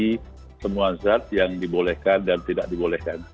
tapi ini adalah zat yang dibolehkan dan tidak dibolehkan